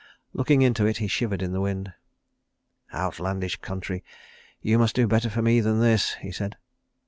Looking into it, he shivered in the wind. "Outlandish country, you must do better for me than this," he said.